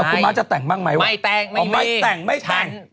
คุณม้าจะแต่งบ้างไหมว่าไม่แต่งไม่แต่ง